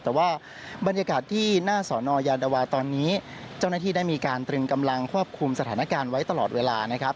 แต่ว่าบรรยากาศที่หน้าสอนอยานวาตอนนี้เจ้าหน้าที่ได้มีการตรึงกำลังควบคุมสถานการณ์ไว้ตลอดเวลานะครับ